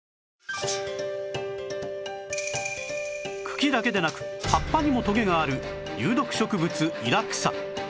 茎だけでなく葉っぱにもトゲがある有毒植物イラクサ